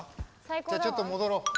じゃあちょっと戻ろう。